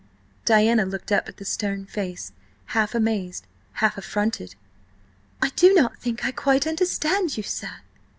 Diana looked up at the stern face, half amazed, half affronted. "I do not think I quite understand you, sir."